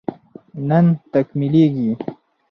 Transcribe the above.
نن تکميلېږي